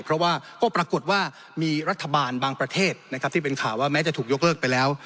เพราะว่าก็ปรากฏว่ามีรัฐบาลบางประเทศนะครับที่เป็นข่าวว่าแม้จะถูกยกเลิกไปแล้ว